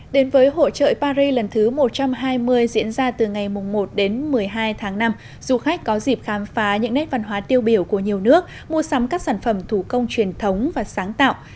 đến với hội trợ paris lần thứ một trăm hai mươi diễn ra từ ngày một đến một mươi hai tháng năm du khách có dịp khám phá những nét văn hóa tiêu biểu của nhiều nước mua sắm các sản phẩm thủ công truyền thống và sáng tạo